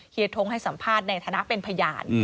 ทงให้สัมภาษณ์ในฐานะเป็นพยาน